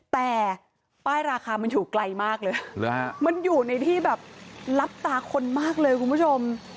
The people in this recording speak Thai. แต่ป้ายราคามันอยู่ไกลมากเลยมันอยู่ในที่แบบลับตาคนมากเลยคุณผู้ชม